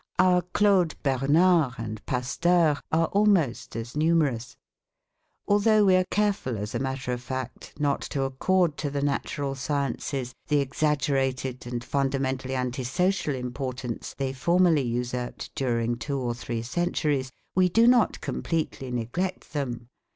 Our Claude Bernards and Pasteurs are almost as numerous. Although we are careful as a matter of fact not to accord to the natural sciences the exaggerated and fundamentally anti social importance they formerly usurped during two or three centuries, we do not completely neglect them.